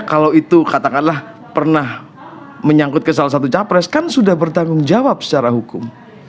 kalau itu katakanlah pernah menyangkut ke salah satu capres kan sudah bertanggung jawab secara hukum